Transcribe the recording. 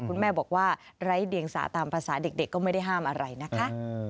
คุณแม่บอกว่าไร้เดียงสาตามภาษาเด็กก็ไม่ได้ห้ามอะไรนะคะ